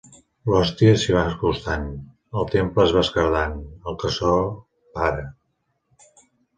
L’hòstia s’hi va acostant... El temple es va esquerdant... El caçador para.